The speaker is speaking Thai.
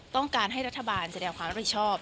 ต้องการให้รัฐบาลแสดงความรับผิดชอบ